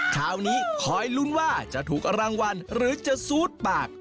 คราวนี้คอยลุ้นว่าจะถูกรางวัลหรือจะซูดปาก